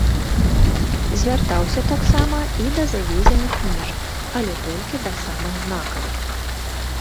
Звяртаўся таксама і да завезеных кніжак, але толькі да самых знакавых.